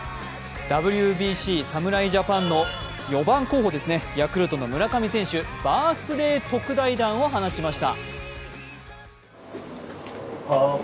ＷＢＣ侍ジャパンの４番候補ですね、ヤクルトの村上選手、バースデー特大弾を放ちました。